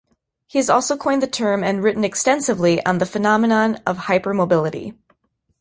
He has also coined the term and written extensively on the phenomenon of hypermobility.